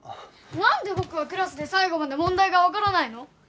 なんで僕はクラスで最後まで問題がわからないの？